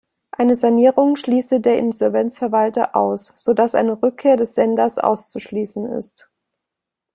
Eine Sanierung schließe der Insolvenzverwalter aus, so dass eine Rückkehr des Senders auszuschließen ist.